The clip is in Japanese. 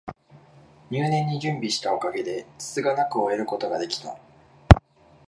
入念に準備したおかげで、つつがなく終えることが出来た